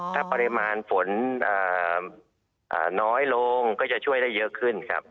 ถ้าปริมาณฝนน้อยลงก็จะช่วยได้เยอะขึ้นครับ